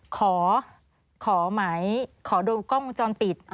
ขอขอหมายขอดูกล้องจอนปิด